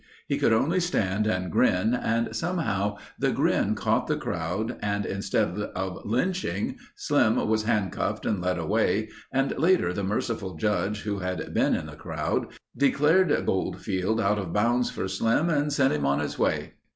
He could only stand and grin and somehow the grin caught the crowd and instead of a lynching, Slim was handcuffed and led away and later the merciful judge who had been in the crowd declared Goldfield out of bounds for Slim and sent him on his way.